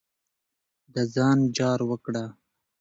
د ځان جار وکړه.